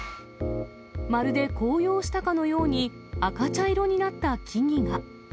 まるで紅葉したかのように、赤茶色になった木々が。